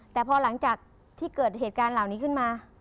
แต่พอหลังจากที่เกิดเหตุการณ์เหล่านี้ขึ้นมา